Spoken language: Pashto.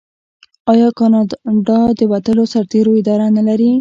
آیا کاناډا د وتلو سرتیرو اداره نلري؟